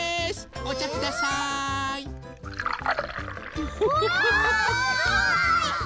おちゃください！